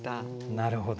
なるほど。